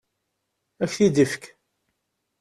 Ad ak-t-id-ifek.